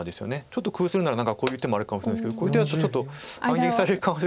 ちょっと工夫するなら何かこういう手もあるかもしれないですけどこういう手だとちょっと反撃される可能性もあるので。